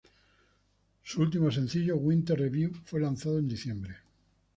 Su último sencillo "Winter's Review" fue lanzado en diciembre.